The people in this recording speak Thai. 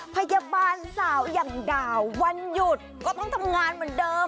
พยาบาลสาวอย่างดาววันหยุดก็ต้องทำงานเหมือนเดิม